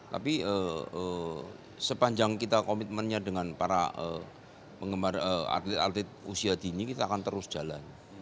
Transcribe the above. tapi sepanjang kita komitmennya dengan para atlet atlet usia dini kita akan terus jalan